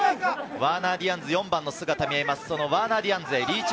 ワーナー・ディアンズ、４番の姿が見えます。